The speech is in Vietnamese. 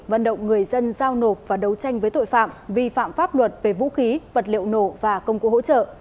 vận động người dân giao nộp và đấu tranh với tội phạm vi phạm pháp luật về vũ khí vật liệu nổ và công cụ hỗ trợ